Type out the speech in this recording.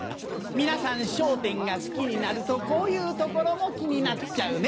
皆さん『笑点』が好きになるとこういう所も気になっちゃうね。